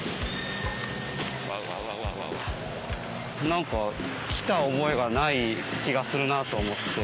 何か来た覚えがない気がするなあと思って。